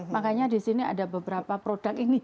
makanya di sini ada beberapa produk ini